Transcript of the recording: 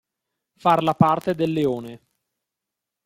Far la parte del leone.